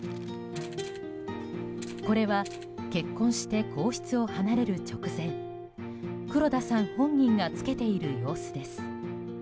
これは結婚して皇室を離れる直前黒田さん本人が着けている様子です。